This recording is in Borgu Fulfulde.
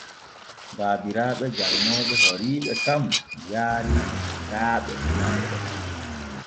Baabiraaɓe janŋooɓe horiiɓe kan yaari ɗi sukaaɓe maɓɓe.